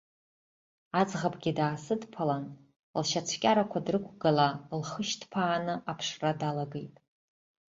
Аӡӷабгьы даасыдԥалан, лшьацәкьарақәа дрықәгыла, лхы шьҭԥааны аԥшра далагеит.